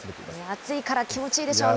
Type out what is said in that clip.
暑いから気持ちいいでしょうね。